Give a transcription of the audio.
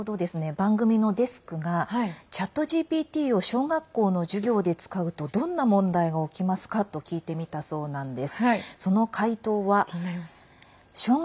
番組のデスクが「ＣｈａｔＧＰＴを小学校の授業で使うとどんな問題が起きますか」と聞いてみたそうなんです。